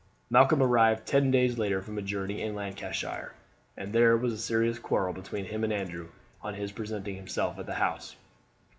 Malcolm arrived ten days later from a journey in Lancashire, and there was a serious quarrel between him and Andrew on his presenting himself at the house.